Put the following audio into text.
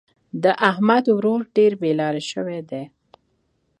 د احمد ورور ډېر بې لارې شوی دی.